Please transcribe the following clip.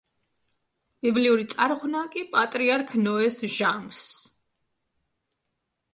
ბიბლიური წარღვნა კი პატრიარქ ნოეს ჟამს.